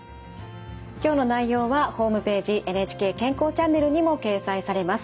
今日の内容はホームページ「ＮＨＫ健康チャンネル」にも掲載されます。